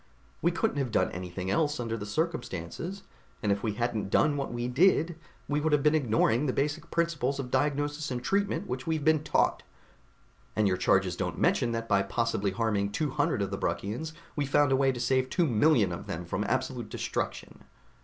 We couldn't have done anything else under the circumstances, and if we hadn't done what we did, we would have been ignoring the basic principles of diagnosis and treatment which we've been taught. And your charges don't mention that by possibly harming two hundred of the Bruckians, we found a way to save two million of them from absolute destruction."